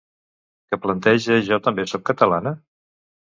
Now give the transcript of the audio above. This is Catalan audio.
Què planteja Jo també soc catalana?